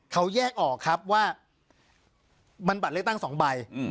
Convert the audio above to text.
เขาแยกออกครับว่ามันบัตรเลขตั้งสองใบอืม